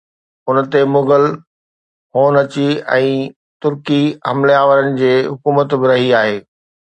ان تي مغل، هون اڇي ۽ ترڪي حملي آورن جي حڪومت به رهي آهي